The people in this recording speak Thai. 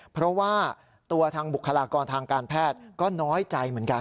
เพราะว่าตัวทางบุคลากรทางการแพทย์ก็น้อยใจเหมือนกัน